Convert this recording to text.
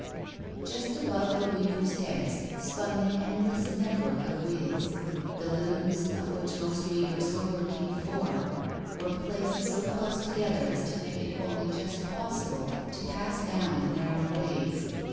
Just above the weavers' heads spun the endless net work of wheels. The looms, of which most weavers were working four, were placed so close together as to make it only just possible to pass down the narrow ways.